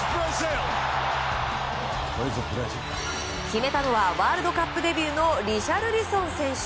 決めたのはワールドカップデビューのリシャルリソン選手。